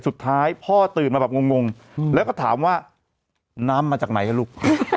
สุดท้ายพ่อตื่นมาแบบงงแล้วก็ถามว่าน้ำมาจากไหนลูก